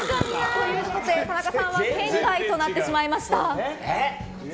ということで、田中さんは圏外となってしまいました。